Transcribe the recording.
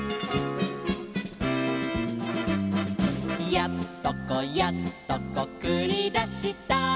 「やっとこやっとこくりだした」